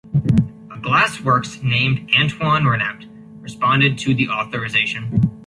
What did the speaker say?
A glassworks named Antoine Renaut responded to the authorisation.